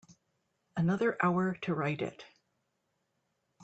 Another hour to write it.